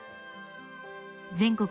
全国